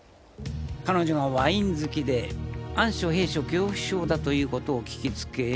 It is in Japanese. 彼女がワイン好きで暗所閉所恐怖症だという事を聞きつけ